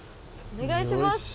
お願いします。